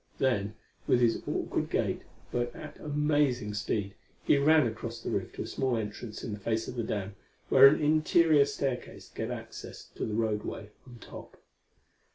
Then, with his awkward gait but at amazing speed, he ran across the roof to a small entrance in the face of the dam where an interior staircase gave access to the roadway on top.